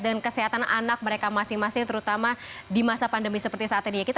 kesehatan anak mereka masing masing terutama di masa pandemi seperti saat ini ya kita